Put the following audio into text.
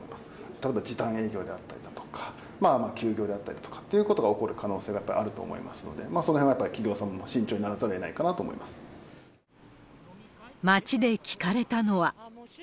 例えば時短営業であったりとか、休業であったりとかっていうことが起こる可能性っていうのがやっぱりあると思いますので、そのへんはやっぱり企業様も慎重になら街で聞かれたのは。